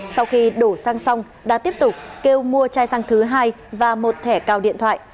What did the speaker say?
sau khi đổ xăng xong đã tiếp tục kêu mua chai xăng thứ hai và một thẻ cào điện thoại